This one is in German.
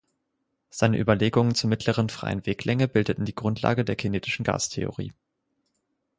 Seine Überlegungen zur mittleren freien Weglänge bildeten die Grundlage der kinetischen Gastheorie.